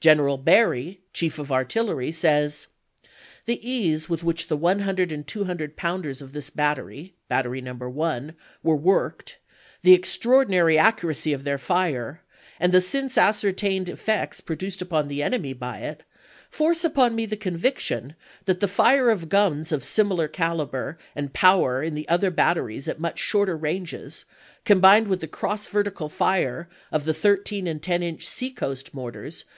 General Barry, Chief of Artillery, says : The ease with which the 100 and 200 pounders of this bat tery [Battery No. 1] were worked, the extraordinary accu racy of their fire, and the since ascertained effects produced upon the enemy by it, force upon me the conviction that the fire of guns of similar cahber and power in the other batteries at much shorter ranges, combined with the cross vertical fire of the 13 and 10 inch sea coast mortars.